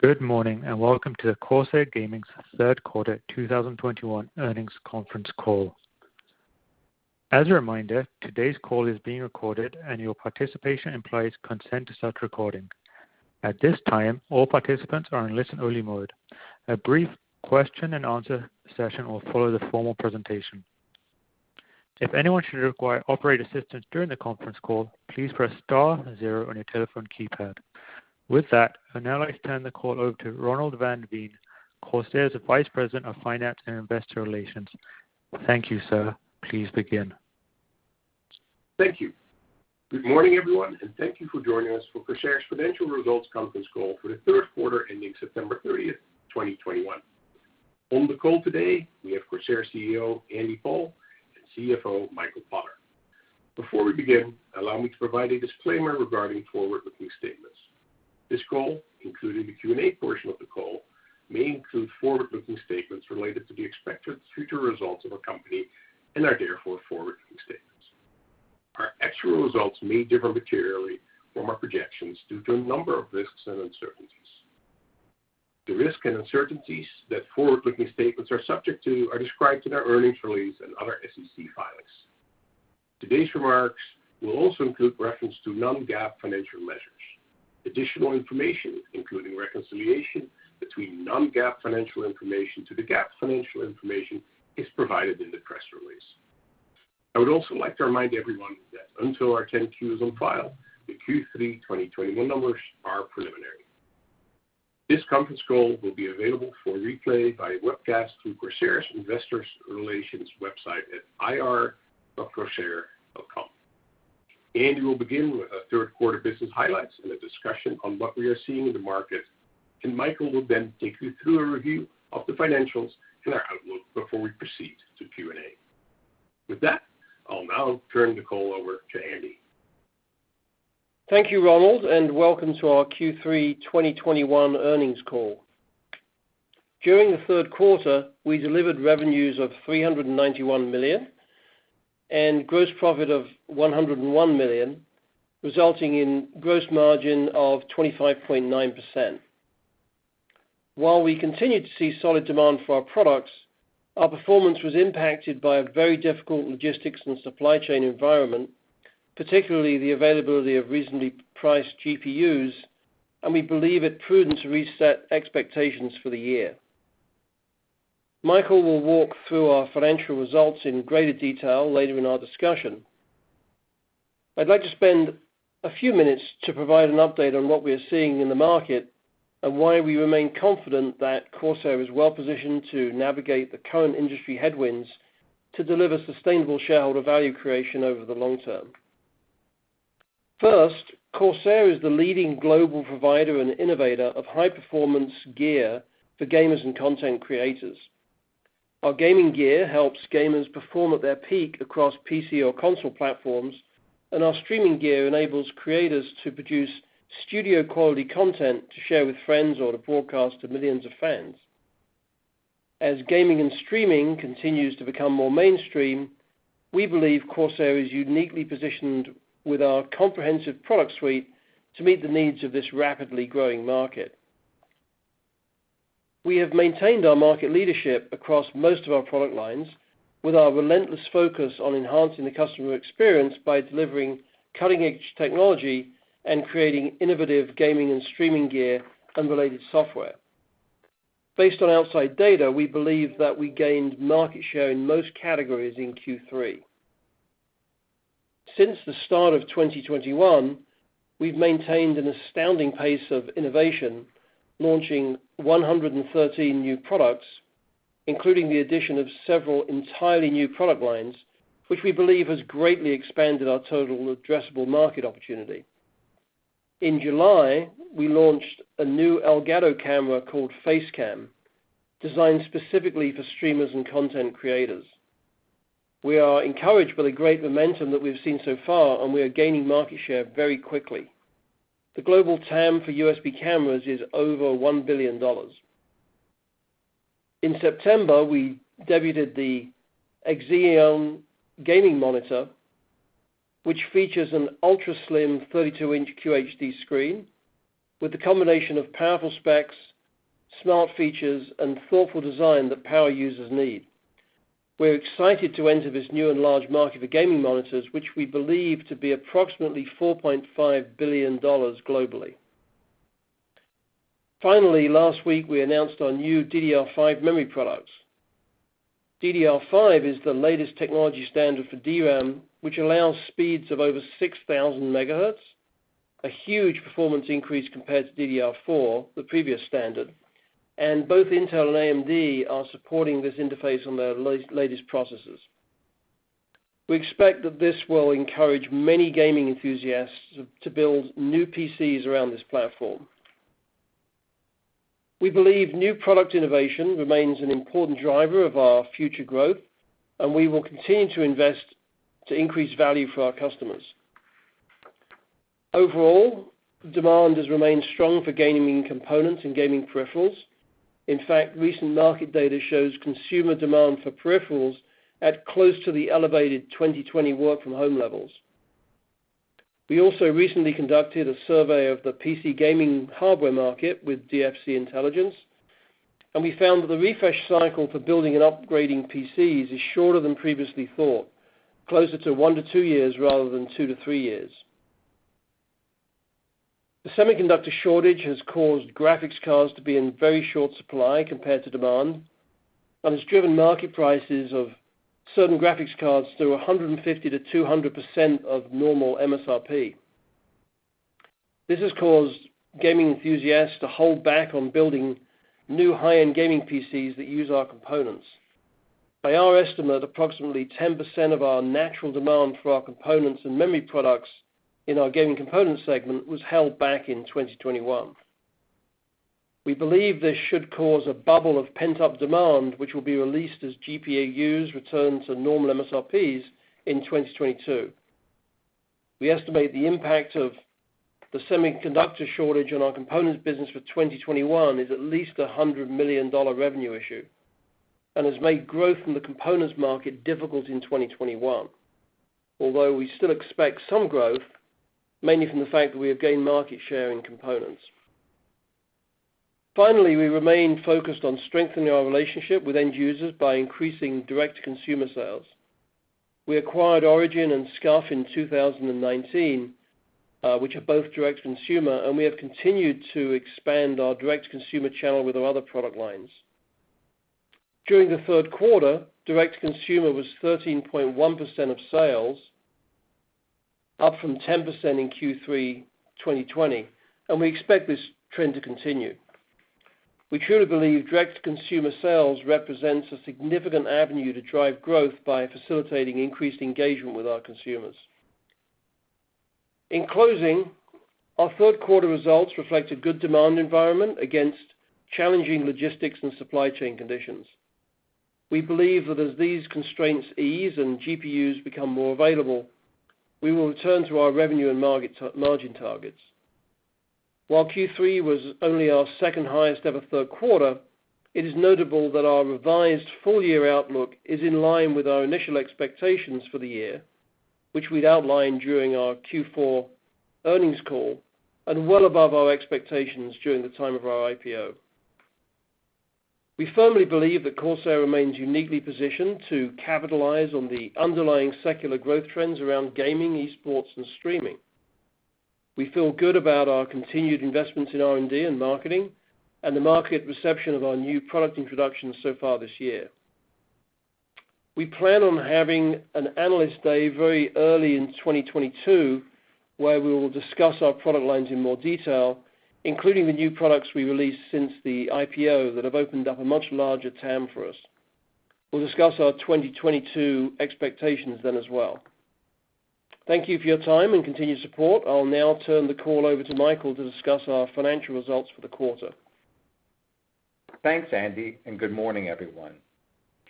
Good morning, and welcome to the Corsair Gaming's third quarter 2021 earnings conference call. As a reminder, today's call is being recorded, and your participation implies consent to such recording. At this time, all participants are in listen-only mode. A brief question-and-answer session will follow the formal presentation. If anyone should require operator assistance during the conference call, please press star zero on your telephone keypad. With that, I'd now like to turn the call over to Ronald van Veen, Corsair's Vice President of Finance and Investor Relations. Thank you, sir. Please begin. Thank you. Good morning, everyone, and thank you for joining us for Corsair's financial results conference call for the third quarter ending September 30th, 2021. On the call today, we have Corsair CEO, Andy Paul, and CFO, Michael Potter. Before we begin, allow me to provide a disclaimer regarding forward-looking statements. This call, including the Q&A portion of the call, may include forward-looking statements related to the expected future results of our company and are therefore forward-looking statements. Our actual results may differ materially from our projections due to a number of risks and uncertainties. The risks and uncertainties that forward-looking statements are subject to are described in our earnings release and other SEC filings. Today's remarks will also include reference to non-GAAP financial measures. Additional information, including reconciliation between non-GAAP financial information to the GAAP financial information is provided in the press release. I would also like to remind everyone that until our Form 10-Q is on file, the Q3 2021 numbers are preliminary. This conference call will be available for replay via webcast through Corsair's investor relations website at ir.corsair.com. Andy will begin with our third quarter business highlights and a discussion on what we are seeing in the market, and Michael will then take you through a review of the financials and our outlook before we proceed to Q&A. With that, I'll now turn the call over to Andy. Thank you, Ronald, and welcome to our Q3 2021 earnings call. During the third quarter, we delivered revenues of $391 million and gross profit of $101 million, resulting in gross margin of 25.9%. While we continued to see solid demand for our products, our performance was impacted by a very difficult logistics and supply chain environment, particularly the availability of reasonably priced GPUs, and we believe it prudent to reset expectations for the year. Michael will walk through our financial results in greater detail later in our discussion. I'd like to spend a few minutes to provide an update on what we are seeing in the market and why we remain confident that Corsair is well-positioned to navigate the current industry headwinds to deliver sustainable shareholder value creation over the long term. First, Corsair is the leading global provider and innovator of high-performance gear for gamers and content creators. Our gaming gear helps gamers perform at their peak across PC or console platforms, and our streaming gear enables creators to produce studio-quality content to share with friends or to broadcast to millions of fans. As gaming and streaming continues to become more mainstream, we believe Corsair is uniquely positioned with our comprehensive product suite to meet the needs of this rapidly growing market. We have maintained our market leadership across most of our product lines with our relentless focus on enhancing the customer experience by delivering cutting-edge technology and creating innovative gaming and streaming gear and related software. Based on outside data, we believe that we gained market share in most categories in Q3. Since the start of 2021, we've maintained an astounding pace of innovation, launching 113 new products, including the addition of several entirely new product lines, which we believe has greatly expanded our total addressable market opportunity. In July, we launched a new Elgato camera called Facecam, designed specifically for streamers and content creators. We are encouraged by the great momentum that we've seen so far, and we are gaining market share very quickly. The global TAM for USB cameras is over $1 billion. In September, we debuted the Xeneon gaming monitor, which features an ultra-slim 32-inch QHD screen with the combination of powerful specs, smart features, and thoughtful design that power users need. We're excited to enter this new and large market for gaming monitors, which we believe to be approximately $4.5 billion globally. Finally, last week, we announced our new DDR5 memory products. DDR5 is the latest technology standard for DRAM, which allows speeds of over 6,000 MHz, a huge performance increase compared to DDR4, the previous standard, and both Intel and AMD are supporting this interface on their latest processors. We expect that this will encourage many gaming enthusiasts to build new PCs around this platform. We believe new product innovation remains an important driver of our future growth, and we will continue to invest to increase value for our customers. Overall, demand has remained strong for gaming components and gaming peripherals. In fact, recent market data shows consumer demand for peripherals at close to the elevated 2020 work from home levels. We also recently conducted a survey of the PC gaming hardware market with DFC Intelligence, and we found that the refresh cycle for building and upgrading PCs is shorter than previously thought, closer to 1-2 years rather than 2-3 years. The semiconductor shortage has caused graphics cards to be in very short supply compared to demand, and has driven market prices of certain graphics cards to 150%-200% of normal MSRP. This has caused gaming enthusiasts to hold back on building new high-end gaming PCs that use our components. By our estimate, approximately 10% of our natural demand for our components and memory products in our Gaming Components segment was held back in 2021. We believe this should cause a bubble of pent-up demand, which will be released as GPUs return to normal MSRPs in 2022. We estimate the impact of the semiconductor shortage on our components business for 2021 is at least $100 million revenue issue, and has made growth in the components market difficult in 2021. Although we still expect some growth, mainly from the fact that we have gained market share in components. Finally, we remain focused on strengthening our relationship with end users by increasing direct consumer sales. We acquired ORIGIN and SCUF in 2019, which are both direct consumer, and we have continued to expand our direct consumer channel with our other product lines. During the third quarter, direct consumer was 13.1% of sales, up from 10% in Q3 2020, and we expect this trend to continue. We truly believe direct consumer sales represents a significant avenue to drive growth by facilitating increased engagement with our consumers. In closing, our third quarter results reflect a good demand environment against challenging logistics and supply chain conditions. We believe that as these constraints ease and GPUs become more available, we will return to our revenue and margin targets. While Q3 was only our second highest ever third quarter, it is notable that our revised full year outlook is in line with our initial expectations for the year, which we'd outlined during our Q4 earnings call, and well above our expectations during the time of our IPO. We firmly believe that Corsair remains uniquely positioned to capitalize on the underlying secular growth trends around gaming, esports, and streaming. We feel good about our continued investments in R&D and marketing, and the market reception of our new product introductions so far this year. We plan on having an analyst day very early in 2022, where we will discuss our product lines in more detail, including the new products we released since the IPO that have opened up a much larger TAM for us. We'll discuss our 2022 expectations then as well. Thank you for your time and continued support. I'll now turn the call over to Michael to discuss our financial results for the quarter. Thanks, Andy, and good morning, everyone.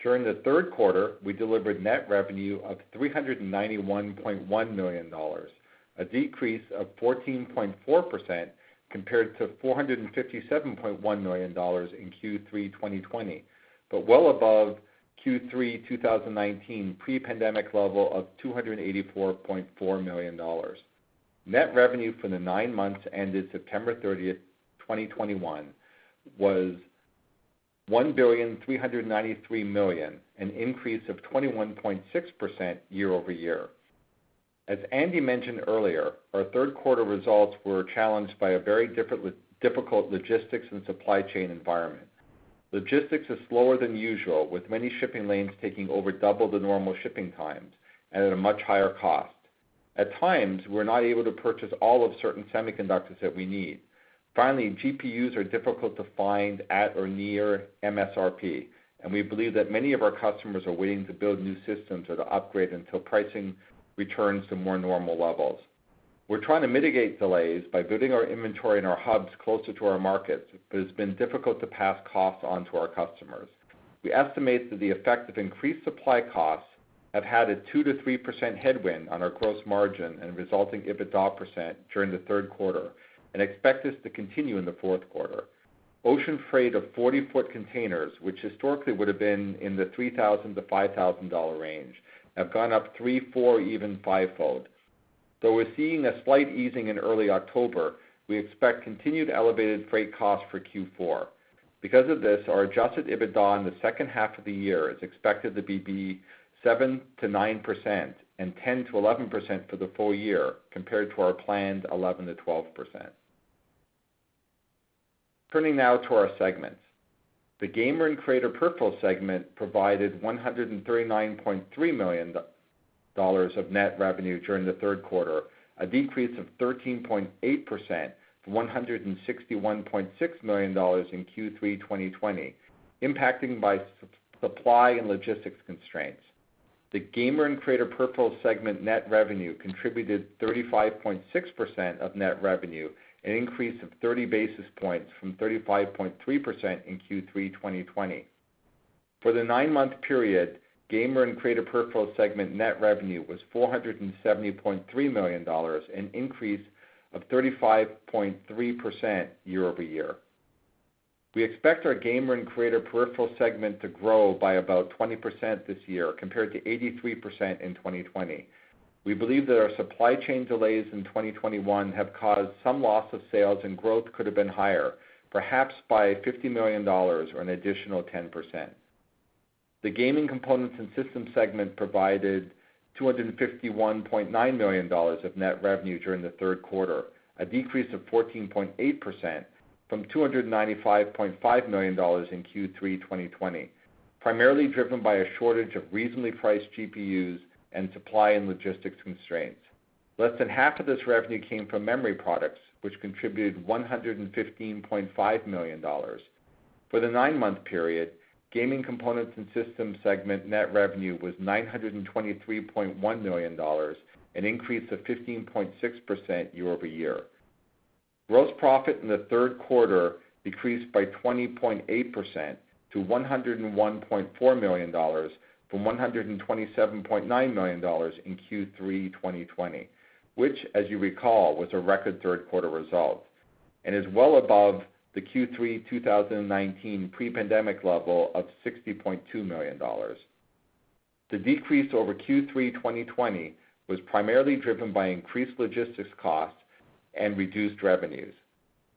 During the third quarter, we delivered net revenue of $391.1 million, a decrease of 14.4% compared to $457.1 million in Q3 2020, but well above Q3 2019 pre-pandemic level of $284.4 million. Net revenue for the nine months ended September 30th, 2021 was $1.393 billion, an increase of 21.6% year-over-year. As Andy mentioned earlier, our third quarter results were challenged by a very different difficult logistics and supply chain environment. Logistics is slower than usual, with many shipping lanes taking over double the normal shipping times and at a much higher cost. At times, we're not able to purchase all of certain semiconductors that we need. Finally, GPUs are difficult to find at or near MSRP, and we believe that many of our customers are waiting to build new systems or to upgrade until pricing returns to more normal levels. We're trying to mitigate delays by building our inventory and our hubs closer to our markets, but it's been difficult to pass costs on to our customers. We estimate that the effect of increased supply costs have had a 2%-3% headwind on our gross margin and resulting EBITDA% during the third quarter and expect this to continue in the fourth quarter. Ocean freight of 40-foot containers, which historically would have been in the $3,000-$5,000 range, have gone up 3, 4, even fivefold. Though we're seeing a slight easing in early October, we expect continued elevated freight costs for Q4. Because of this, our adjusted EBITDA in the second half of the year is expected to be 7%-9% and 10%-11% for the full year compared to our planned 11%-12%. Turning now to our segments. The Gamer and Creator Peripherals segment provided $139.3 million of net revenue during the third quarter, a decrease of 13.8% from $161.6 million in Q3 2020, impacted by supply and logistics constraints. The Gamer and Creator Peripherals segment net revenue contributed 35.6% of net revenue, an increase of 30 basis points from 35.3% in Q3 2020. For the nine-month period, Gamer and Creator Peripherals segment net revenue was $470.3 million, an increase of 35.3% year-over-year. We expect our Gamer and Creator Peripherals segment to grow by about 20% this year compared to 83% in 2020. We believe that our supply chain delays in 2021 have caused some loss of sales and growth could have been higher, perhaps by $50 million or an additional 10%. The Gaming Components and Systems segment provided $251.9 million of net revenue during the third quarter, a decrease of 14.8% from $295.5 million in Q3 2020, primarily driven by a shortage of reasonably priced GPUs and supply and logistics constraints. Less than half of this revenue came from memory products, which contributed $115.5 million. For the nine-month period, Gaming Components and Systems segment net revenue was $923.1 million, an increase of 15.6% year-over-year. Gross profit in the third quarter decreased by 20.8%-$101.4 million from $127.9 million in Q3 2020, which as you recall, was a record third quarter result, and is well above the Q3 2019 pre-pandemic level of $60.2 million. The decrease over Q3 2020 was primarily driven by increased logistics costs and reduced revenues.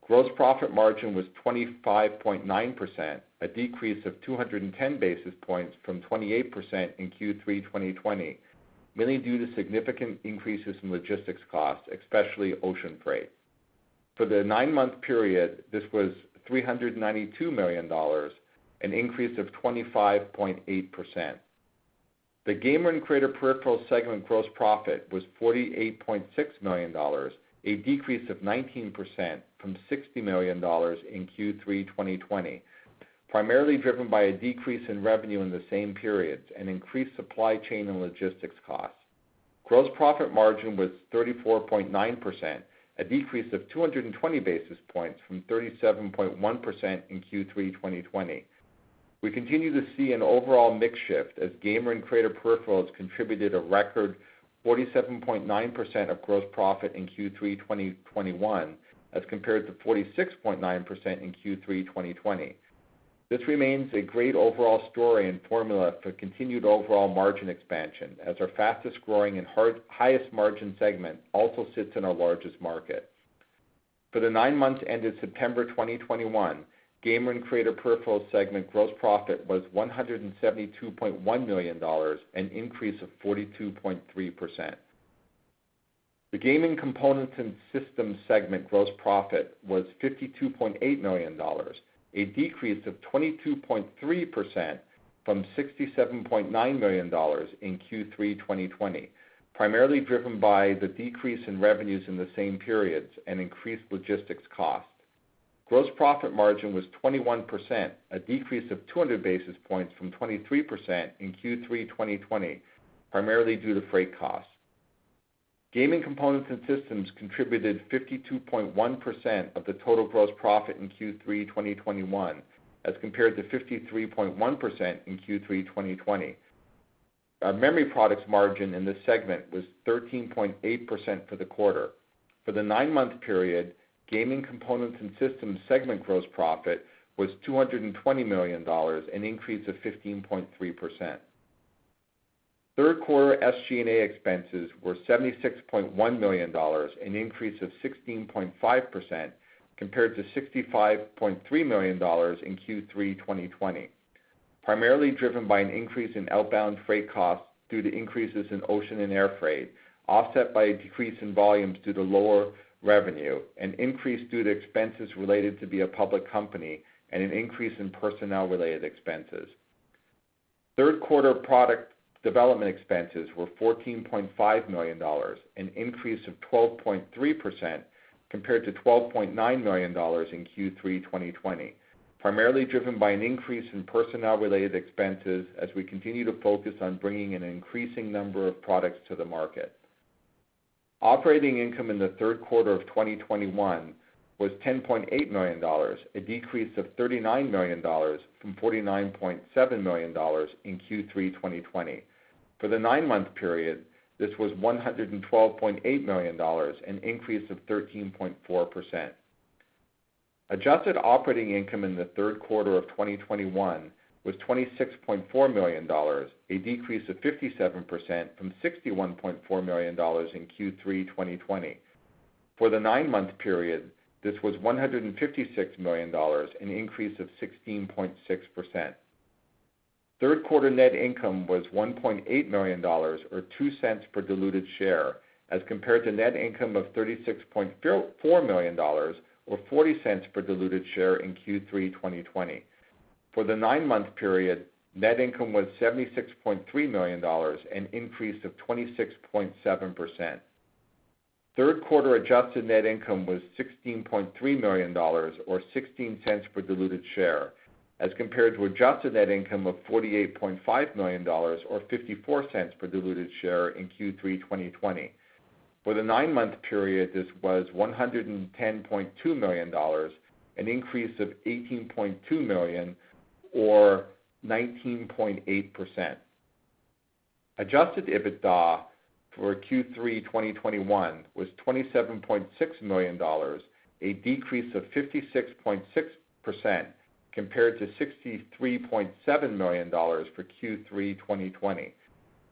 Gross profit margin was 25.9%, a decrease of 210 basis points from 28% in Q3 2020, mainly due to significant increases in logistics costs, especially ocean freight. For the nine-month period, this was $392 million, an increase of 25.8%. The Gamer and Creator Peripherals segment gross profit was $48.6 million, a decrease of 19% from $60 million in Q3 2020, primarily driven by a decrease in revenue in the same periods and increased supply chain and logistics costs. Gross profit margin was 34.9%, a decrease of 220 basis points from 37.1% in Q3 2020. We continue to see an overall mix shift as Gamer and Creator Peripherals contributed a record 47.9% of gross profit in Q3 2021, as compared to 46.9% in Q3 2020. This remains a great overall story and formula for continued overall margin expansion, as our fastest-growing and hard-highest margin segment also sits in our largest market. For the nine months ended September 2021, Gamer and Creator Peripherals segment gross profit was $172.1 million, an increase of 42.3%. The Gaming Components and Systems segment gross profit was $52.8 million, a decrease of 22.3% from $67.9 million in Q3 2020, primarily driven by the decrease in revenues in the same periods and increased logistics costs. Gross profit margin was 21%, a decrease of 200 basis points from 23% in Q3 2020, primarily due to freight costs. Gaming Components and Systems contributed 52.1% of the total gross profit in Q3 2021, as compared to 53.1% in Q3 2020. Our memory products margin in this segment was 13.8% for the quarter. For the nine-month period, Gaming Components and Systems segment gross profit was $220 million, an increase of 15.3%. Third quarter SG&A expenses were $76.1 million, an increase of 16.5% compared to $65.3 million in Q3 2020, primarily driven by an increase in outbound freight costs due to increases in ocean and air freight, offset by a decrease in volumes due to lower revenue and increased due to expenses related to being a public company and an increase in personnel-related expenses. Third quarter product development expenses were $14.5 million, an increase of 12.3% compared to $12.9 million in Q3 2020, primarily driven by an increase in personnel-related expenses as we continue to focus on bringing an increasing number of products to the market. Operating income in the third quarter of 2021 was $10.8 million, a decrease of $39 million from $49.7 million in Q3 2020. For the nine-month period, this was $112.8 million, an increase of 13.4%. Adjusted operating income in the third quarter of 2021 was $26.4 million, a decrease of 57% from $61.4 million in Q3 2020. For the nine-month period, this was $156 million, an increase of 16.6%. Third quarter net income was $1.8 million or $0.02 per diluted share as compared to net income of $36.4 million or $0.40 per diluted share in Q3 2020. For the nine-month period, net income was $76.3 million, an increase of 26.7%. Third quarter adjusted net income was $16.3 million or $0.16 per diluted share as compared to adjusted net income of $48.5 million or $0.54 per diluted share in Q3 2020. For the nine-month period, this was $110.2 million, an increase of $18.2 million or 19.8%. Adjusted EBITDA for Q3 2021 was $27.6 million, a decrease of 56.6% compared to $63.7 million for Q3 2020,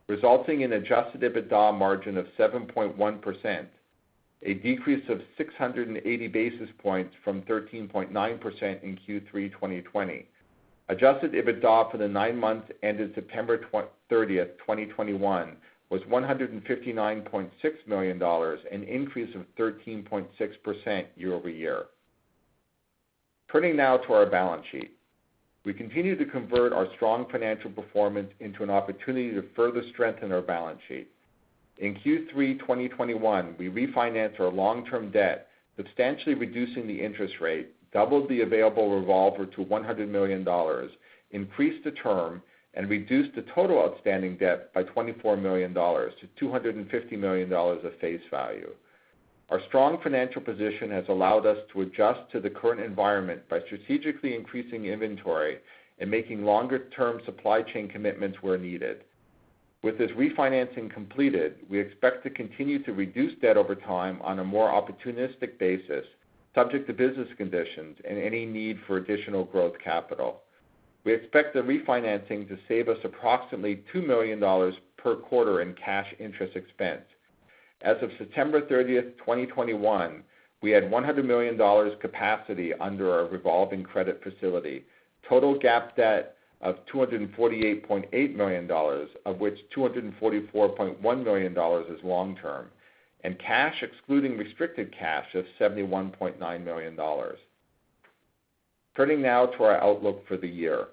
resulting in adjusted EBITDA margin of 7.1%, a decrease of 680 basis points from 13.9% in Q3 2020. Adjusted EBITDA for the nine months ended September 30th, 2021 was $159.6 million, an increase of 13.6% year-over-year. Turning now to our balance sheet. We continue to convert our strong financial performance into an opportunity to further strengthen our balance sheet. In Q3 2021, we refinanced our long-term debt, substantially reducing the interest rate, doubled the available revolver to $100 million, increased the term, and reduced the total outstanding debt by $24 million to $250 million of face value. Our strong financial position has allowed us to adjust to the current environment by strategically increasing inventory and making longer-term supply chain commitments where needed. With this refinancing completed, we expect to continue to reduce debt over time on a more opportunistic basis, subject to business conditions and any need for additional growth capital. We expect the refinancing to save us approximately $2 million per quarter in cash interest expense. As of September 30th, 2021, we had $100 million capacity under our revolving credit facility, total GAAP debt of $248.8 million, of which $244.1 million is long term, and cash excluding restricted cash of $71.9 million. Turning now to our outlook for the year.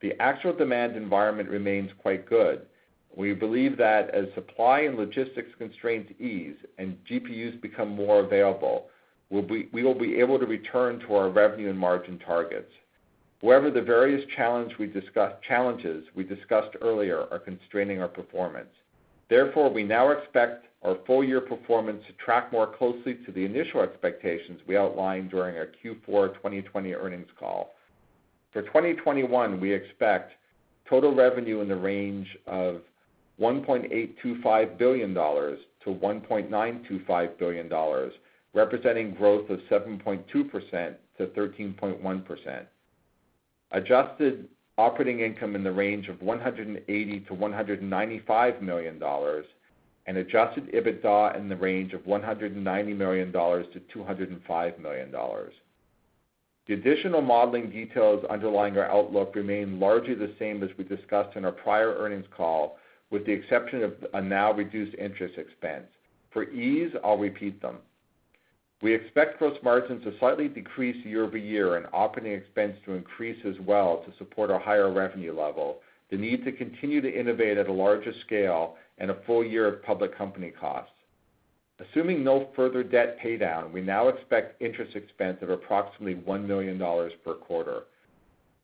The actual demand environment remains quite good. We believe that as supply and logistics constraints ease and GPUs become more available, we will be able to return to our revenue and margin targets. However, the various challenges we discussed earlier are constraining our performance. Therefore, we now expect our full year performance to track more closely to the initial expectations we outlined during our Q4 2020 earnings call. For 2021, we expect total revenue in the range of $1.825 billion-$1.925 billion, representing growth of 7.2%-13.1%. Adjusted operating income in the range of $180 million-$195 million and adjusted EBITDA in the range of $190 million-$205 million. The additional modeling details underlying our outlook remain largely the same as we discussed in our prior earnings call, with the exception of a now reduced interest expense. For ease, I'll repeat them. We expect gross margins to slightly decrease year-over-year and operating expense to increase as well to support our higher revenue level, the need to continue to innovate at a larger scale and a full year of public company costs. Assuming no further debt paydown, we now expect interest expense of approximately $1 million per quarter.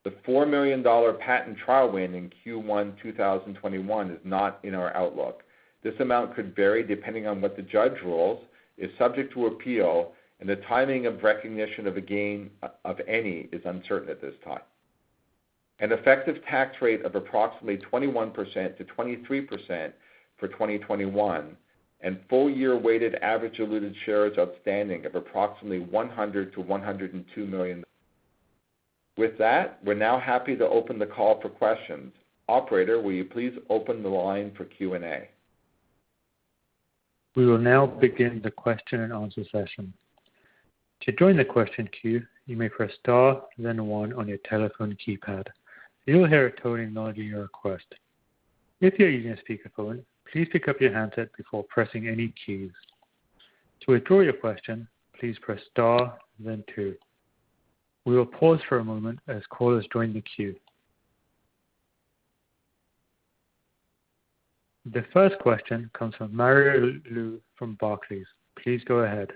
The $4 million patent trial win in Q1 2021 is not in our outlook. This amount could vary depending on what the judge rules, is subject to appeal, and the timing of recognition of a gain of any is uncertain at this time. An effective tax rate of approximately 21%-23% for 2021 and full year weighted average diluted shares outstanding of approximately $100-102 million. With that, we're now happy to open the call for questions. Operator, will you please open the line for Q&A? We will now begin the question-and-answer session. To join the question queue, you may press star then one on your telephone keypad. You'll hear a tone acknowledging your request. If you are using a speakerphone, please pick up your handset before pressing any keys. To withdraw your question, please press star then two. We will pause for a moment as callers join the queue. The first question comes from Mario Lu from Barclays. Please go ahead.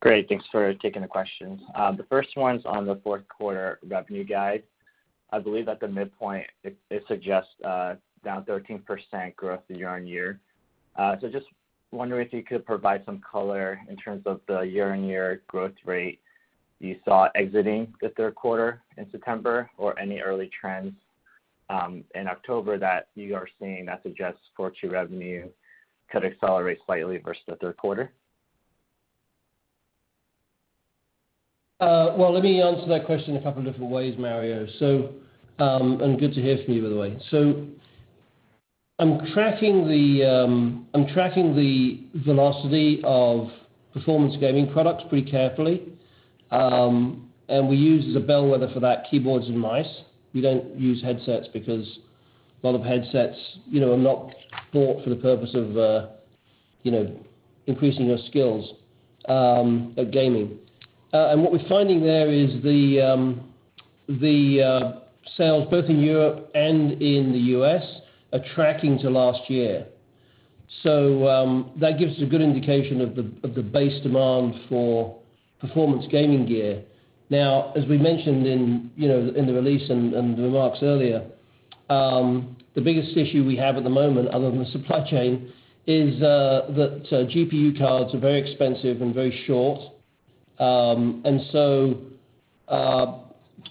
Great. Thanks for taking the questions. The first one's on the fourth quarter revenue guide. I believe at the midpoint it suggests down 13% year-over-year growth. Just wondering if you could provide some color in terms of the year-over-year growth rate you saw exiting the third quarter in September or any early trends in October that you are seeing that suggests fourth quarter revenue could accelerate slightly versus the third quarter. Well, let me answer that question a couple of different ways, Mario. Good to hear from you, by the way. I'm tracking the velocity of performance gaming products pretty carefully. We use the bellwether for that, keyboards and mice. We don't use headsets because a lot of headsets, you know, are not bought for the purpose of, you know, increasing your skills at gaming. What we're finding there is the sales both in Europe and in the U.S. are tracking to last year. That gives us a good indication of the base demand for performance gaming gear. Now, as we mentioned, you know, in the release and the remarks earlier, the biggest issue we have at the moment other than the supply chain is that GPU cards are very expensive and very short.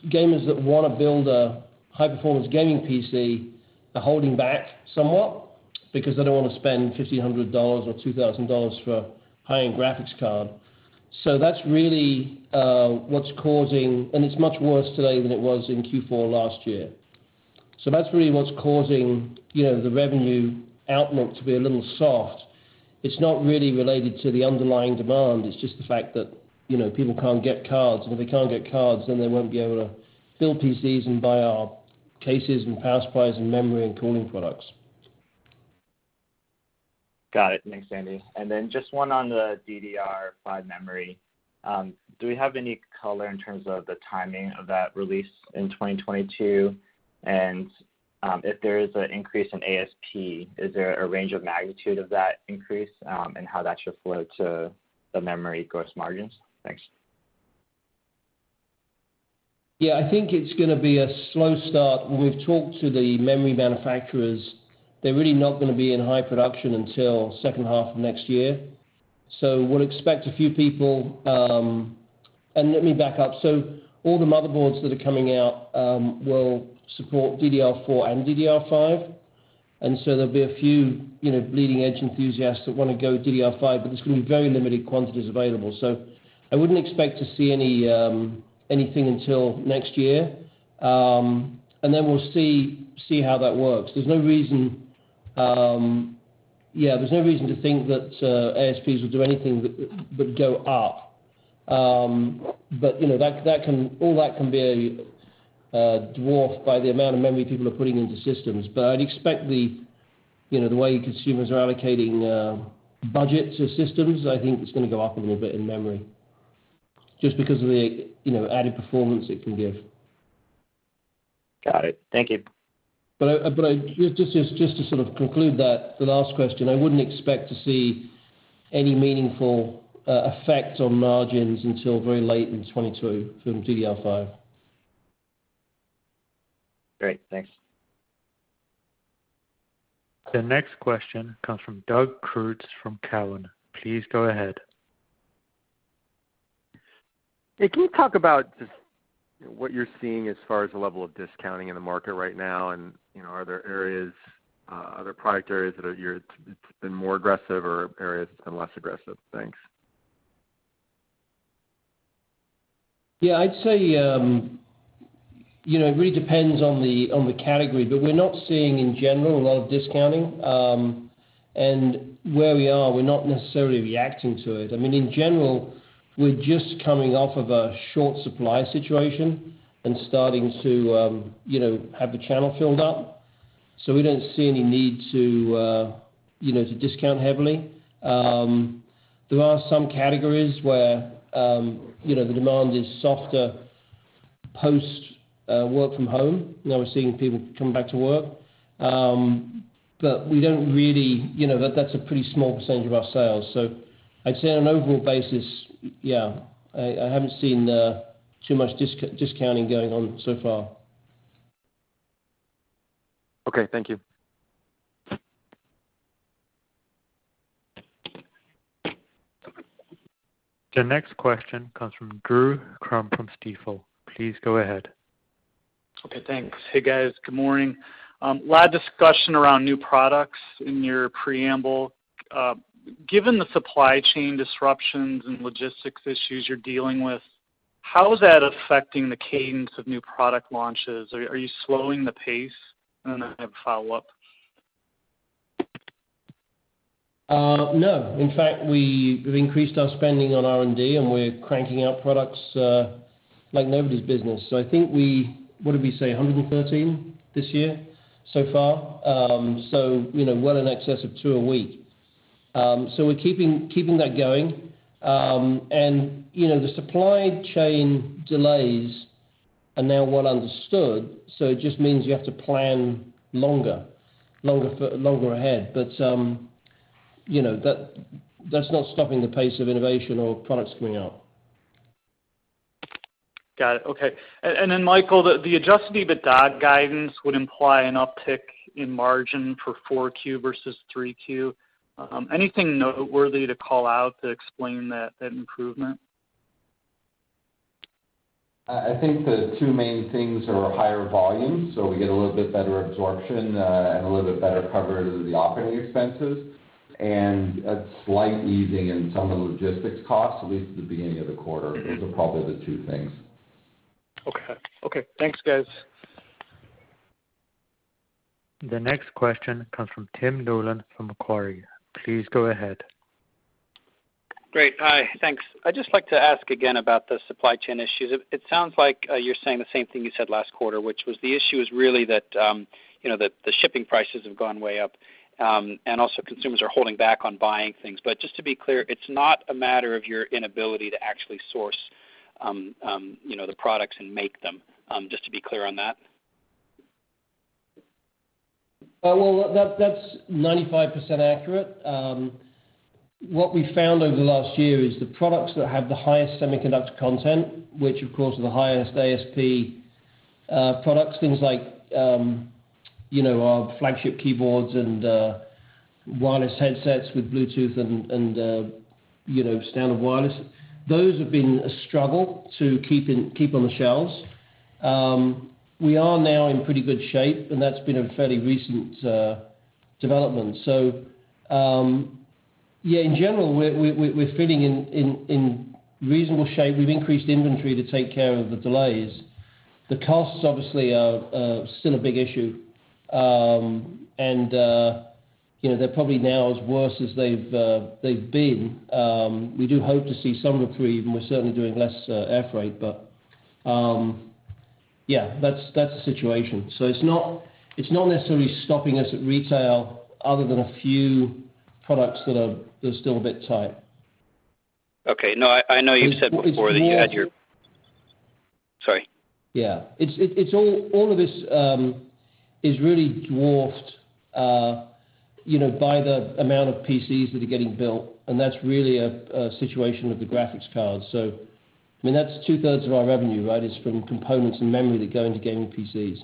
Gamers that wanna build a high-performance gaming PC are holding back somewhat because they don't wanna spend $1,500 or $2,000 for a high-end graphics card. It's much worse today than it was in Q4 last year. That's really what's causing, you know, the revenue outlook to be a little soft. It's not really related to the underlying demand. It's just the fact that, you know, people can't get cards. If they can't get cards, then they won't be able to build PCs and buy our cases and power supplies and memory and cooling products. Got it. Thanks, Andy. Just one on the DDR5 memory. Do we have any color in terms of the timing of that release in 2022? If there is an increase in ASP, is there a range of magnitude of that increase, and how that should flow to the memory gross margins? Thanks. Yeah, I think it's gonna be a slow start. We've talked to the memory manufacturers. They're really not gonna be in high production until second half of next year. Let me back up. All the motherboards that are coming out will support DDR4 and DDR5. There'll be a few, you know, leading edge enthusiasts that wanna go DDR5, but there's gonna be very limited quantities available. I wouldn't expect to see anything until next year. We'll see how that works. There's no reason to think that ASPs will do anything but go up. You know, that can be dwarfed by the amount of memory people are putting into systems. I'd expect the, you know, the way consumers are allocating budget to systems. I think it's gonna go up a little bit in memory just because of the, you know, added performance it can give. Got it. Thank you. Just to sort of conclude that, the last question, I wouldn't expect to see any meaningful effect on margins until very late in 2022 from DDR5. Great. Thanks. The next question comes from Doug Creutz from TD Cowen. Please go ahead. Hey, can you talk about just what you're seeing as far as the level of discounting in the market right now? You know, are there areas, other product areas that it's been more aggressive or areas it's been less aggressive? Thanks. Yeah, I'd say, you know, it really depends on the category. We're not seeing in general a lot of discounting. Where we are, we're not necessarily reacting to it. I mean, in general, we're just coming off of a short supply situation and starting to, you know, have the channel filled up, so we don't see any need to, you know, to discount heavily. There are some categories where, you know, the demand is softer post work from home. Now we're seeing people come back to work. We don't really. You know, that's a pretty small percentage of our sales. I'd say on an overall basis, yeah, I haven't seen too much discounting going on so far. Okay, thank you. The next question comes from Drew Crum from Stifel. Please go ahead. Okay, thanks. Hey, guys. Good morning. Lot of discussion around new products in your preamble. Given the supply chain disruptions and logistics issues you're dealing with, how is that affecting the cadence of new product launches? Are you slowing the pace? I have a follow-up. No. In fact, we've increased our spending on R&D, and we're cranking out products like nobody's business. I think we... What did we say? 113 this year so far. You know, well in excess of two a week. We're keeping that going. You know, the supply chain delays are now well understood, so it just means you have to plan longer ahead. You know, that's not stopping the pace of innovation or products coming out. Got it. Okay. Then Michael, the adjusted EBITDA guidance would imply an uptick in margin for 4Q versus 3Q. Anything noteworthy to call out to explain that improvement? I think the two main things are higher volume, so we get a little bit better absorption, and a little bit better coverage of the operating expenses and a slight easing in some of the logistics costs, at least at the beginning of the quarter. Mm-hmm. Those are probably the two things. Okay. Okay, thanks, guys. The next question comes from Tim Nollen from Macquarie. Please go ahead. Great. Hi. Thanks. I'd just like to ask again about the supply chain issues. It sounds like you're saying the same thing you said last quarter, which was the issue is really that, you know, the shipping prices have gone way up and also consumers are holding back on buying things. Just to be clear, it's not a matter of your inability to actually source you know the products and make them just to be clear on that? That's 95% accurate. What we found over the last year is the products that have the highest semiconductor content, which of course are the highest ASP products, things like, you know, our flagship keyboards and wireless headsets with Bluetooth and standard wireless, those have been a struggle to keep on the shelves. We are now in pretty good shape, and that's been a fairly recent development. Yeah, in general, we're feeling in reasonable shape. We've increased inventory to take care of the delays. The costs obviously are still a big issue. You know, they're probably now as worse as they've been. We do hope to see some reprieve, and we're certainly doing less air freight. Yeah, that's the situation. It's not necessarily stopping us at retail other than a few products that are just still a bit tight. Okay. No, I know you've said before that you had your- It's more. Sorry. Yeah. It's all of this is really dwarfed, you know, by the amount of PCs that are getting built, and that's really a situation with the graphics cards. I mean, that's 2/3 of our revenue, right, is from components and memory that go into gaming PCs.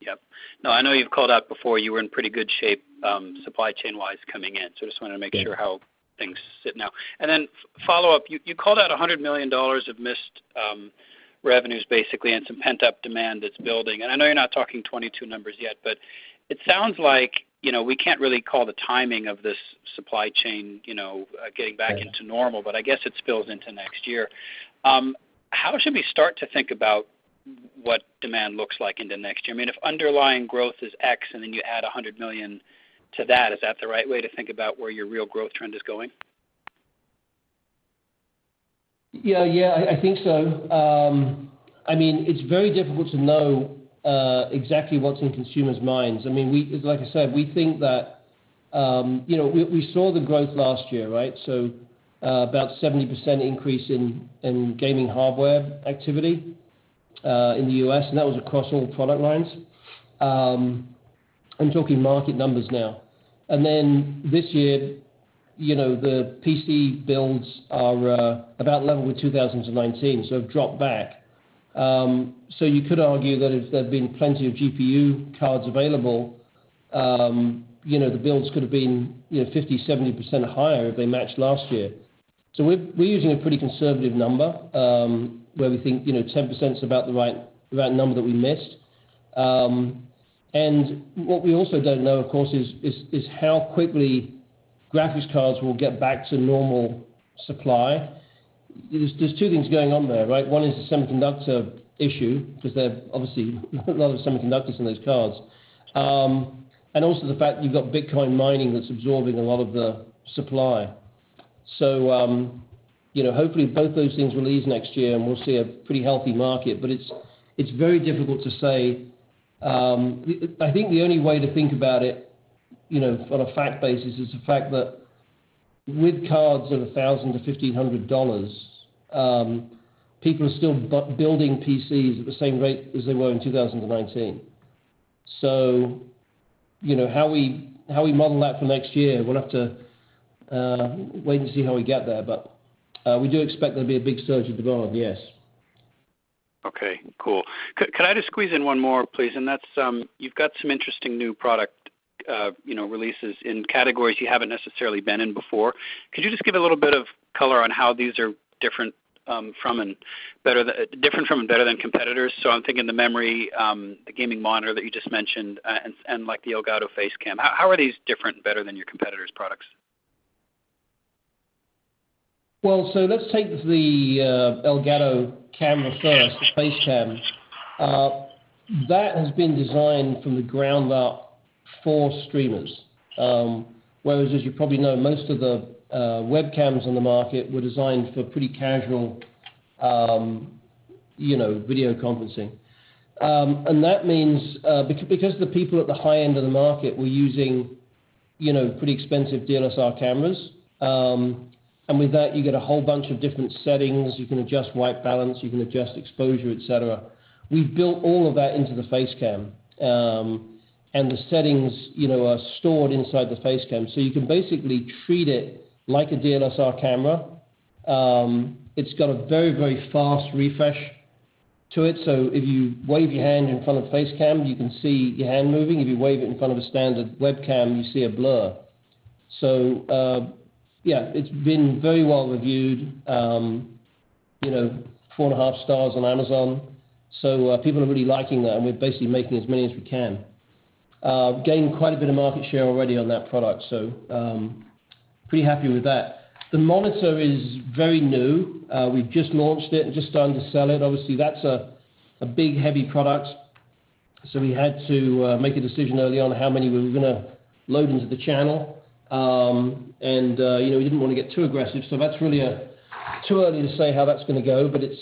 Yep. No, I know you've called out before you were in pretty good shape, supply chain-wise coming in, so I just wanted to make sure. Yeah... how things sit now. Then follow up, you called out $100 million of missed revenues basically, and some pent-up demand that's building, I know you're not talking 2022 numbers yet, but it sounds like, you know, we can't really call the timing of this supply chain, you know, getting back into normal but I guess it spills into next year. How should we start to think about what demand looks like into next year? I mean, if underlying growth is X, and then you add $100 million to that, is that the right way to think about where your real growth trend is going? Yeah. Yeah. I think so. I mean, it's very difficult to know exactly what's in consumers' minds. I mean, like I said, we think that, you know, we saw the growth last year, right? About 70% increase in gaming hardware activity in the U.S., and that was across all product lines. I'm talking market numbers now. This year, you know, the PC builds are about level with 2019, so have dropped back. You could argue that if there'd been plenty of GPU cards available, you know, the builds could have been, you know, 50%, 70% or higher if they matched last year. We're using a pretty conservative number, where we think, you know, 10% is about the right number that we missed. What we also don't know, of course, is how quickly graphics cards will get back to normal supply. There's two things going on there, right? One is the semiconductor issue 'cause there are obviously a lot of semiconductors in those cards, and also the fact that you've got Bitcoin mining that's absorbing a lot of the supply. You know, hopefully both those things will ease next year, and we'll see a pretty healthy market. But it's very difficult to say. I think the only way to think about it, you know, on a fact basis, is the fact that with cards of $1,000-$1,500, people are still building PCs at the same rate as they were in 2019. You know, how we model that for next year, we'll have to wait and see how we get there. We do expect there to be a big surge of demand, yes. Okay, cool. Could I just squeeze in one more, please? That's you've got some interesting new product releases in categories you haven't necessarily been in before. Could you just give a little bit of color on how these are different from and better than competitors? So I'm thinking the memory, the gaming monitor that you just mentioned, and like the Elgato Facecam. How are these different and better than your competitors' products? Let's take the Elgato camera first, the Facecam. That has been designed from the ground up for streamers. Whereas, as you probably know, most of the webcams on the market were designed for pretty casual, you know, video conferencing. And that means, because the people at the high end of the market were using, you know, pretty expensive DSLR cameras, and with that, you get a whole bunch of different settings. You can adjust white balance, you can adjust exposure, et cetera. We've built all of that into the Facecam. And the settings, you know, are stored inside the Facecam. You can basically treat it like a DSLR camera. It's got a very, very fast refresh to it, so if you wave your hand in front of the Facecam, you can see your hand moving. If you wave it in front of a standard webcam, you see a blur. Yeah, it's been very well reviewed. You know, 4.5 stars on Amazon. People are really liking that, and we're basically making as many as we can. We gained quite a bit of market share already on that product, so pretty happy with that. The monitor is very new. We've just launched it and just starting to sell it. Obviously, that's a big, heavy product, so we had to make a decision early on how many we were gonna load into the channel. You know, we didn't wanna get too aggressive, so that's really a. Too early to say how that's gonna go, but it's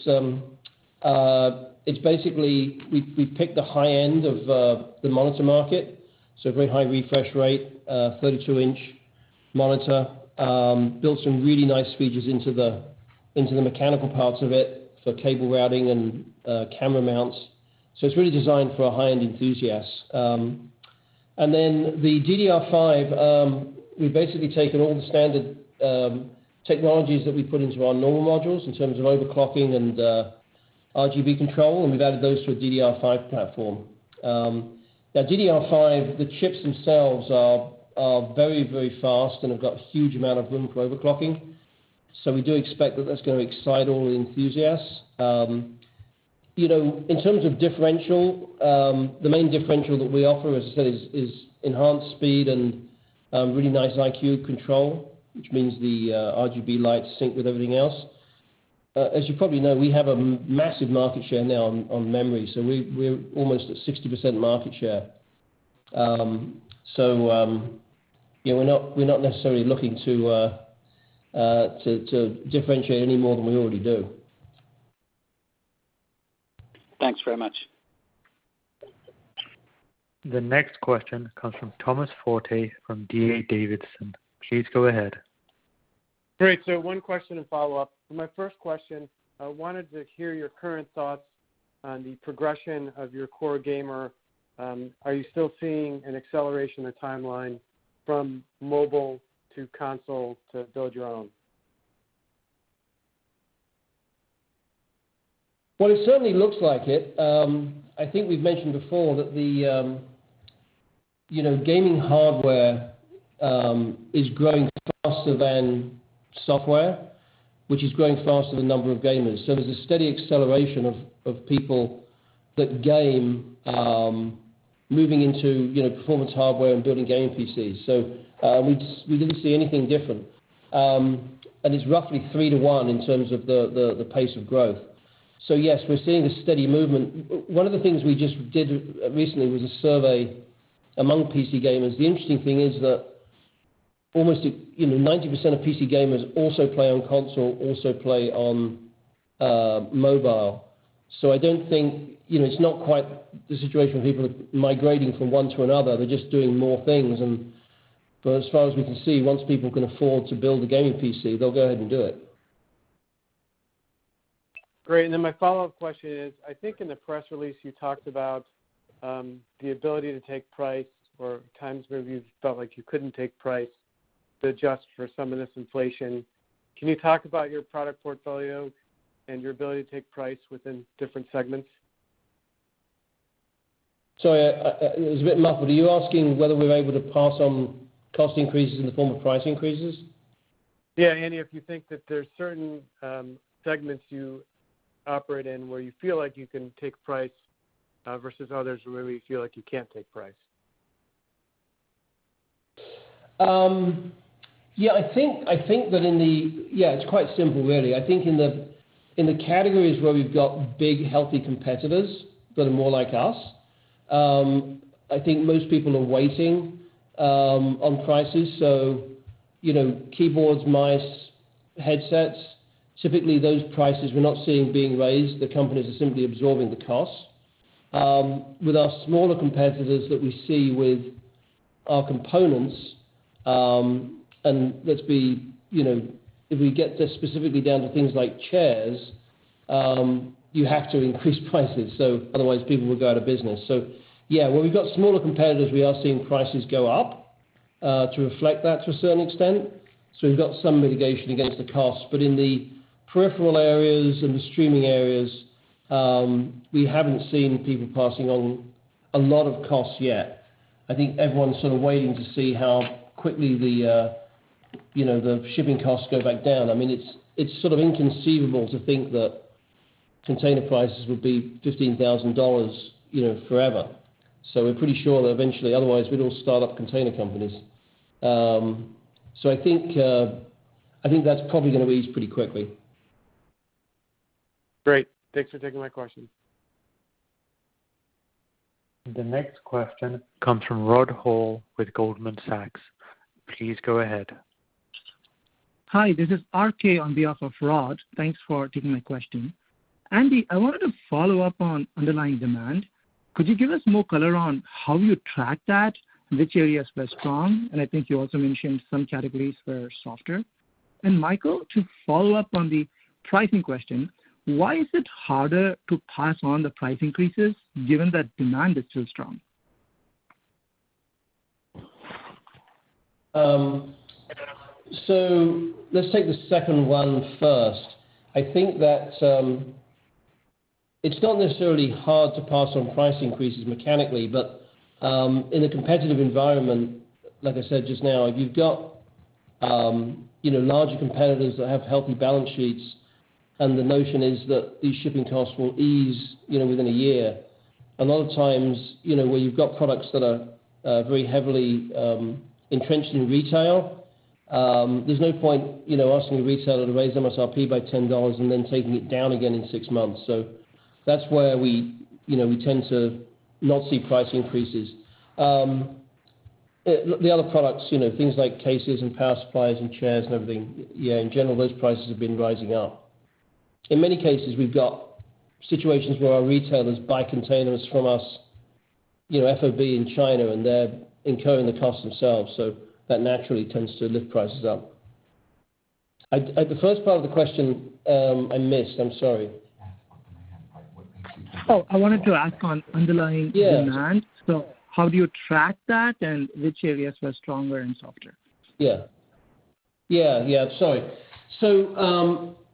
basically we've picked the high end of the monitor market, so very high refresh rate, 32-inch monitor. Built some really nice features into the mechanical parts of it for cable routing and camera mounts. It's really designed for a high-end enthusiast. Then the DDR5, we've basically taken all the standard technologies that we put into our normal modules in terms of overclocking and RGB control, and we've added those to a DDR5 platform. Now DDR5, the chips themselves are very, very fast and have got a huge amount of room for overclocking. We do expect that that's gonna excite all the enthusiasts. You know, in terms of differentiator, the main differentiator that we offer, as I said, is enhanced speed and really nice iCUE control, which means the RGB lights sync with everything else. As you probably know, we have a massive market share now in memory, so we're almost at 60% market share. So, yeah, we're not necessarily looking to differentiate any more than we already do. Thanks very much. The next question comes from Thomas Forte from D.A. Davidson. Please go ahead. Great. One question and follow-up. My first question, I wanted to hear your current thoughts on the progression of your core gamer. Are you still seeing an acceleration in the timeline from mobile to console to build your own? Well, it certainly looks like it. I think we've mentioned before that the, you know, gaming hardware, is growing faster than software, which is growing faster than number of gamers. There's a steady acceleration of people that game, moving into, you know, performance hardware and building gaming PCs. We didn't see anything different. It's roughly 3-to-1 in terms of the pace of growth. Yes, we're seeing a steady movement. One of the things we just did recently was a survey among PC gamers. The interesting thing is that almost, you know, 90% of PC gamers also play on console, also play on mobile. I don't think, you know, it's not quite the situation people are migrating from one to another. They're just doing more things and As far as we can see, once people can afford to build a gaming PC, they'll go ahead and do it. Great. My follow-up question is, I think in the press release you talked about the ability to take price or times where you felt like you couldn't take price to adjust for some of this inflation. Can you talk about your product portfolio and your ability to take price within different segments? Sorry, it was a bit muffled. Are you asking whether we're able to pass on cost increases in the form of price increases? Yeah, any of you think that there's certain segments you operate in where you feel like you can take price versus others where you feel like you can't take price? Yeah, it's quite simple really. I think in the categories where we've got big, healthy competitors that are more like us, I think most people are waiting on prices. You know, keyboards, mice, headsets, typically those prices we're not seeing being raised. The companies are simply absorbing the costs. With our smaller competitors that we see with our components, and let's be, you know, if we get this specifically down to things like chairs, you have to increase prices, so otherwise people would go out of business. Yeah, where we've got smaller competitors, we are seeing prices go up to reflect that to a certain extent. We've got some mitigation against the cost. In the peripheral areas and the streaming areas, we haven't seen people passing on a lot of costs yet. I think everyone's sort of waiting to see how quickly the, you know, the shipping costs go back down. I mean, it's sort of inconceivable to think that container prices would be $15,000, you know, forever. We're pretty sure that eventually otherwise we'd all start up container companies. I think that's probably gonna ease pretty quickly. Great. Thanks for taking my questions. The next question comes from Rod Hall with Goldman Sachs. Please go ahead. Hi, this is RK on behalf of Rod. Thanks for taking my question. Andy, I wanted to follow up on underlying demand. Could you give us more color on how you track that? Which area is less strong? I think you also mentioned some categories were softer. Michael, to follow up on the pricing question, why is it harder to pass on the price increases given that demand is still strong? Let's take the second one first. I think that, it's not necessarily hard to pass on price increases mechanically, but in a competitive environment, like I said just now, you've got, you know, larger competitors that have healthy balance sheets, and the notion is that these shipping costs will ease, you know, within a year. A lot of times, you know, where you've got products that are very heavily entrenched in retail, there's no point, you know, asking a retailer to raise MSRP by $10 and then taking it down again in six months. That's where we, you know, we tend to not see price increases. The other products, you know, things like cases and power supplies and chairs and everything, yeah, in general, those prices have been rising up. In many cases, we've got situations where our retailers buy containers from us. You know, FOB in China, and they're incurring the cost themselves, so that naturally tends to lift prices up. I missed the first part of the question. I'm sorry. Oh, I wanted to ask on underlying. Yeah. demand. How do you track that, and which areas were stronger and softer? Yeah, sorry.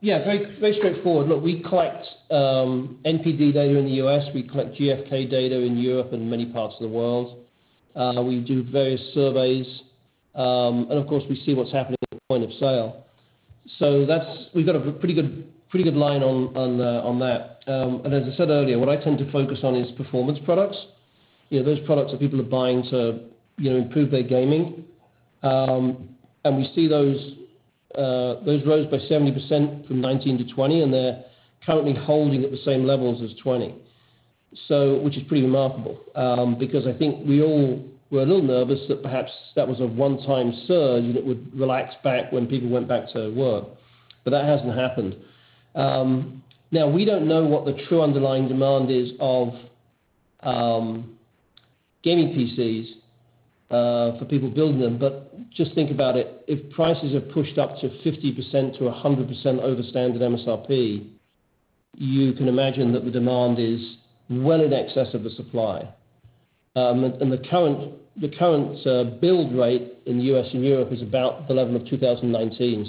Yeah, very straightforward. Look, we collect NPD data in the U.S., we collect GfK data in Europe and many parts of the world. We do various surveys. Of course, we see what's happening at the point of sale. We've got a pretty good line on that. As I said earlier, what I tend to focus on is performance products. You know, those products that people are buying to, you know, improve their gaming. We see those rose by 70% from 2019 to 2020, and they're currently holding at the same levels as 2020. Which is pretty remarkable, because I think we all were a little nervous that perhaps that was a one-time surge that would relax back when people went back to work. That hasn't happened. Now we don't know what the true underlying demand is of gaming PCs for people building them. Just think about it, if prices are pushed up to 50%-100% over standard MSRP, you can imagine that the demand is well in excess of the supply. The current build rate in the U.S. and Europe is about the level of 2019.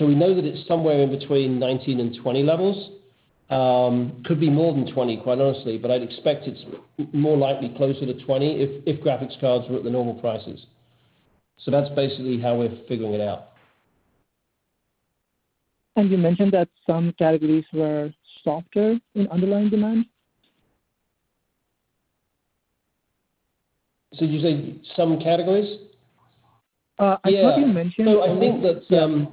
We know that it's somewhere in between 2019 and 2020 levels. Could be more than 2020, quite honestly, but I'd expect it's more likely closer to 2020 if graphics cards were at the normal prices. That's basically how we're figuring it out. You mentioned that some categories were softer in underlying demand? You say some categories? I think you mentioned- Yeah. No, I think that.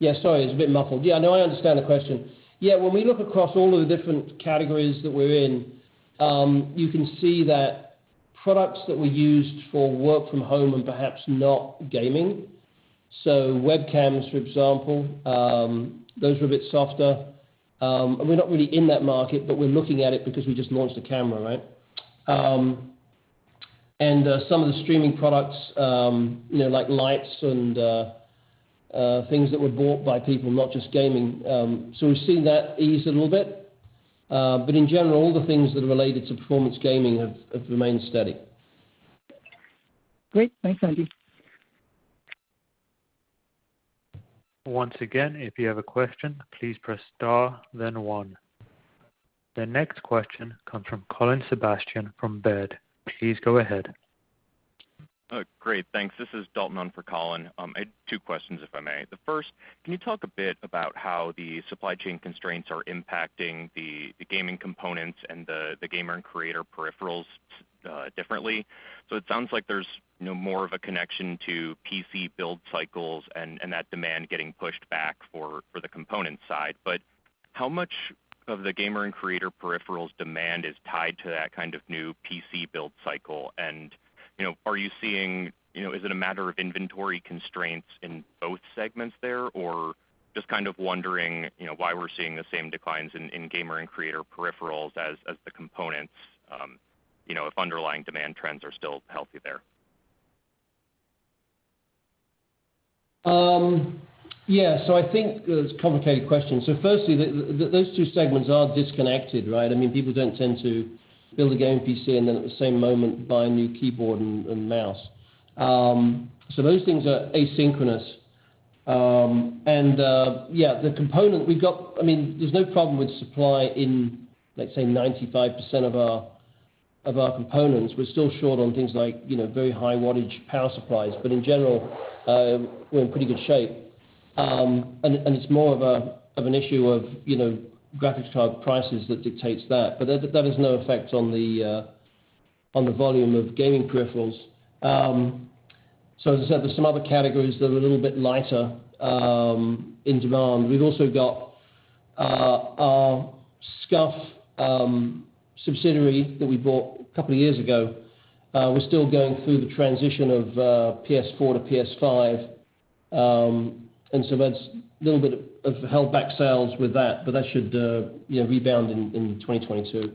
Yeah, sorry, it's a bit muffled. Yeah, no, I understand the question. Yeah, when we look across all of the different categories that we're in, you can see that products that were used for work from home and perhaps not gaming, so webcams, for example, those were a bit softer. We're not really in that market, but we're looking at it because we just launched a camera, right? Some of the streaming products, you know, like lights and things that were bought by people, not just gaming, we've seen that ease a little bit. In general, all the things that are related to performance gaming have remained steady. Great. Thanks, Andy. Once again, if you have a question, please press star then one. The next question comes from Colin Sebastian from Baird. Please go ahead. Great, thanks. This is Dalton on for Colin. I had two questions, if I may. The first, can you talk a bit about how the supply chain constraints are impacting the gaming components and the gamer and creator peripherals differently? So it sounds like there's more of a connection to PC build cycles and that demand getting pushed back for the component side. But how much of the gamer and creator peripherals demand is tied to that kind of new PC build cycle? You know, are you seeing? You know, is it a matter of inventory constraints in both segments there or just kind of wondering, you know, why we're seeing the same declines in gamer and creator peripherals as the components, you know, if underlying demand trends are still healthy there. I think it's a complicated question. Firstly, those two segments are disconnected, right? I mean, people don't tend to build a gaming PC and then at the same moment buy a new keyboard and mouse. Those things are asynchronous. The components we've got. I mean, there's no problem with supply in, let's say, 95% of our components. We're still short on things like, you know, very high wattage power supplies. But in general, we're in pretty good shape. It's more of an issue of, you know, graphics card prices that dictates that. But that has no effect on the volume of gaming peripherals. As I said, there's some other categories that are a little bit lighter in demand. We've also got our SCUF subsidiary that we bought a couple of years ago, we're still going through the transition of PS4 to PS5. That's a little bit of held back sales with that, but that should you know rebound in 2022.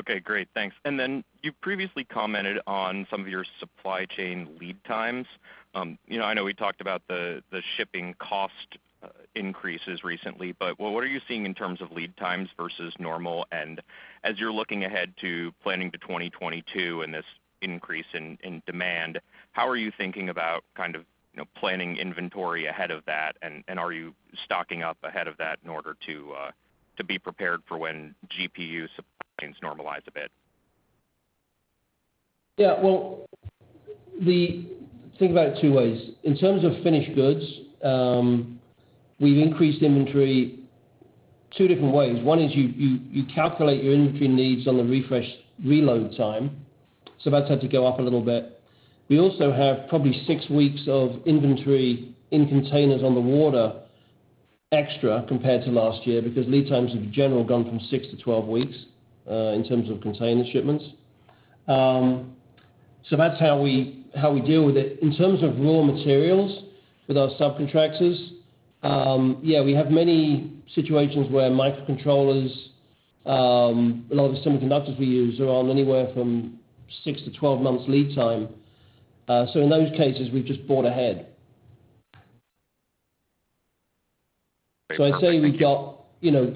Okay, great. Thanks. Then you previously commented on some of your supply chain lead times. You know, I know we talked about the shipping cost increases recently, but what are you seeing in terms of lead times versus normal? As you're looking ahead to planning to 2022 and this increase in demand, how are you thinking about kind of, you know, planning inventory ahead of that, and are you stocking up ahead of that in order to be prepared for when GPU supplies normalize a bit? Yeah. Well, think about it two ways. In terms of finished goods, we've increased inventory two different ways. One is you calculate your inventory needs on the refresh reload time. That's had to go up a little bit. We also have probably six weeks of inventory in containers on the water extra compared to last year because lead times have generally gone from 6-12 weeks in terms of container shipments. That's how we deal with it. In terms of raw materials with our subcontractors, yeah, we have many situations where microcontrollers, a lot of the semiconductors we use are on anywhere from 6-12 months lead time. In those cases, we've just bought ahead. I'd say we've got, you know,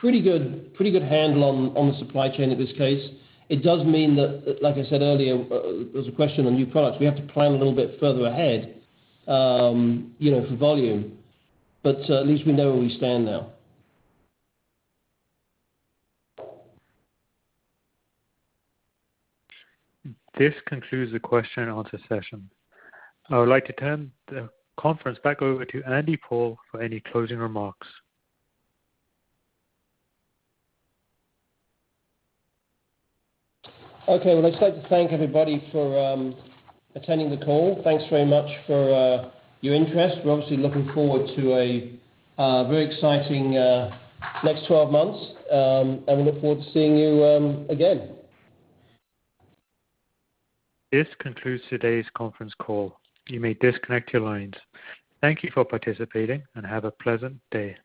pretty good handle on the supply chain in this case. It does mean that, like I said earlier, there was a question on new products. We have to plan a little bit further ahead, you know, for volume but at least we know where we stand now. This concludes the question-and-answer session. I would like to turn the conference back over to Andy Paul for any closing remarks. Okay. Well, I'd like to thank everybody for attending the call. Thanks very much for your interest. We're obviously looking forward to a very exciting next 12 months. We look forward to seeing you again. This concludes today's conference call. You may disconnect your lines. Thank you for participating, and have a pleasant day.